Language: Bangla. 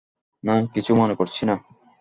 না, কিছু মনে করছি না।